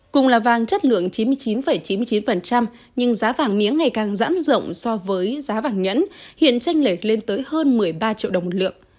cùng là vàng chất lượng chín mươi chín chín mươi chín nhưng giá vàng miếng ngày càng giãn rộng so với giá vàng nhẫn hiện tranh lệch lên tới hơn một mươi ba triệu đồng một lượng